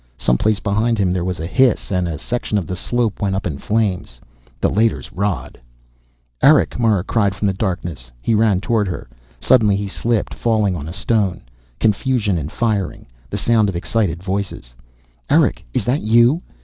Someplace behind him there was a hiss, and a section of the slope went up in flames. The Leiter's rod "Erick," Mara cried from the darkness. He ran toward her. Suddenly he slipped, falling on a stone. Confusion and firing. The sound of excited voices. "Erick, is that you?"